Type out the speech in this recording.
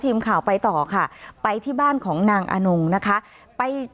ทีมข่าวไปต่อค่ะไปที่บ้านของนางอนงนะคะไป